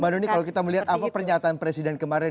manu nih kalau kita melihat apa pernyataan presiden kemarin